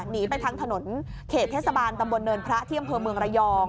หนีไปทางถนนเขตเทศบาลตำบลเนินพระที่อำเภอเมืองระยอง